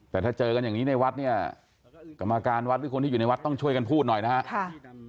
แต่ถ้าเจอกันอย่างนี้ในวัดเนี่ยกรรมการวัดหรือคนที่อยู่ในวัดต้องช่วยกันพูดหน่อยนะครับ